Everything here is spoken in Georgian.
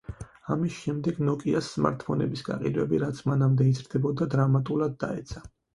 ამის შემდეგ, ნოკიას სმარტფონების გაყიდვები, რაც მანამდე იზრდებოდა, დრამატულად დაეცა.